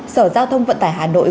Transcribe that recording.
sở giao thông vận tải hà nội